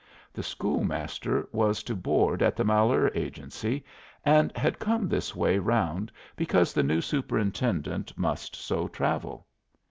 The school master was to board at the Malheur Agency, and had come this way round because the new superintendent must so travel.